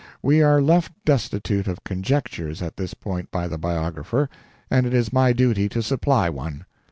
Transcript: We are left destitute of conjectures at this point by the biographer, and it is my duty to supply one.